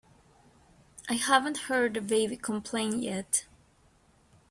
I haven't heard the baby complain yet.